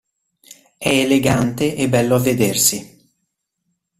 È elegante e bello a vedersi.